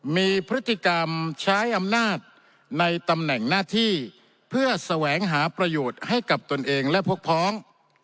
มีพฤติกรรมใช้อำนาจในตำแหน่งหน้าที่เพื่อแสวงหาประโยชน์ให้กับตนเองและพวกพ้อง